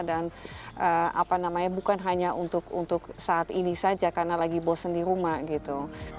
dan bukan hanya untuk saat ini saja karena lagi bosen di rumah gitu